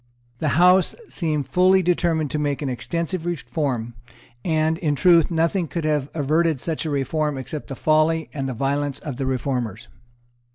The House seemed fully determined to make an extensive reform; and, in truth, nothing could have averted such a reform except the folly and violence of the reformers.